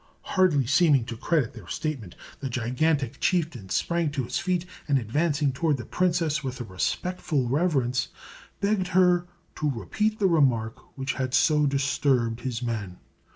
Hardly seeming to credit their statement, the gigantic chieftain sprang to his feet, and advancing toward the princess with a respectful reverence, begged her to repeat the remark which had so disturbed his men.